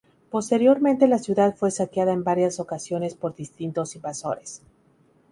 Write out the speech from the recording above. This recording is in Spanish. Posteriormente la ciudad fue saqueada en varias ocasiones por distintos invasores.